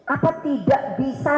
apa tidak bisa